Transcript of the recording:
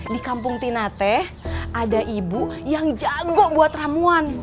di kampung tinateh ada ibu yang jago buat ramuan